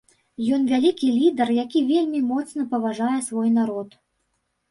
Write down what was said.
Ён вялікі лідар, які вельмі моцна паважае свой народ.